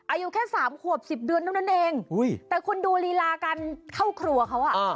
อายุแค่สามขวบสิบเดือนเท่านั้นเองแต่คุณดูลีลาการเข้าครัวเขาอ่ะ